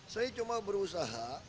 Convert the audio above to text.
saya cuma berusaha